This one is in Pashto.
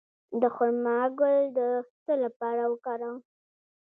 د خرما ګل د څه لپاره وکاروم؟